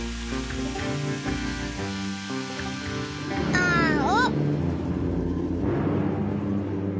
あお。